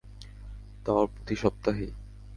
তাও প্রতি সপ্তাহেই।